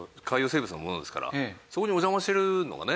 そこにお邪魔してるのがね。